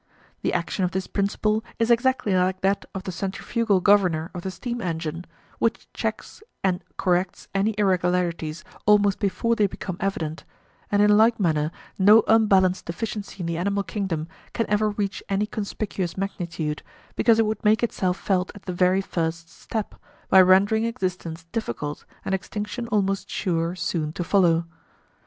The action of this principle is exactly like that of the centrifugal governor of the steam engine, which checks and corrects any irregularities almost before they become evident; and in like manner no unbalanced deficiency in the animal kingdom can ever reach any conspicuous magnitude, because it would make itself felt at the very first step, by rendering existence difficult and extinction almost sure soon to follow.